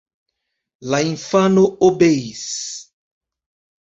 La infano obeis.